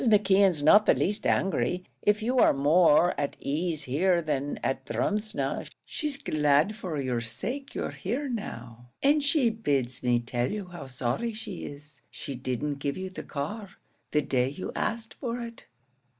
McKeon's not the least angry; if you are more at ease here than at Drumsna, she's glad for your sake you're here now, and she bids me tell you how sorry she is she didn't give you the car the day you asked for it."